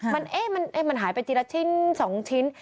มันหายไปทีละชิ้น๒ชิ้น